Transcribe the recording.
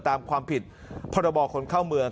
ตามความผิดพรบคนเข้าเมือง